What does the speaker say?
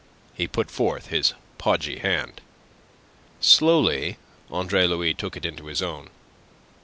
He put forth his podgy hand. Slowly Andre Louis took it in his own.